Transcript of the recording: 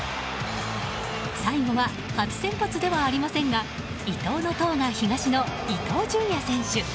最後は初先発ではありませんが「いとう」の「とう」が「東」の伊東純也選手。